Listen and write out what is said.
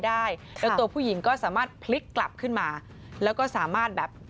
ได้แล้วตัวผู้หญิงก็สามารถพลิกกลับขึ้นมาแล้วก็สามารถแบบ